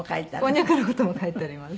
こんにゃくの事も書いてあります。